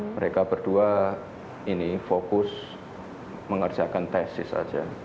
mereka berdua ini fokus mengerjakan tesis saja